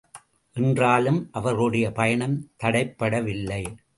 என்றாலும் அவர்களுடைய பயணம் தடைப்படவில்லை.